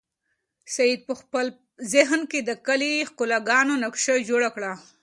سعید په خپل ذهن کې د کلي د ښکلاګانو نقشه جوړه کړه.